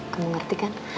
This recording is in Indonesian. kamu ngerti kan